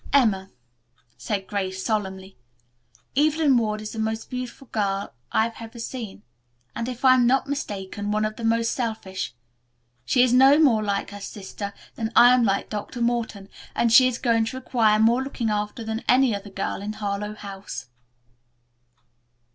"Emma," said Grace solemnly, "Evelyn Ward is the most beautiful girl I have ever seen, and, if I am not mistaken, one of the most selfish. She is no more like her sister than I am like Dr. Morton, and she is going to require more looking after than any other girl in Harlowe House."